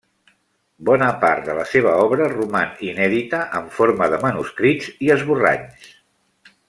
Bona part de la seva obra roman inèdita en forma de manuscrits i esborranys.